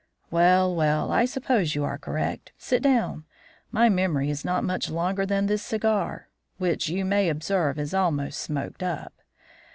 "Well, well, I suppose you are correct. Sit down. My memory is not much longer than this cigar, which you may observe is almost smoked up.